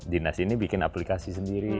dinas ini bikin aplikasi sendiri